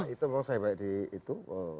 itu memang saya baik di itu